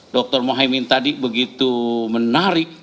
dr mohaimin tadi begitu menarik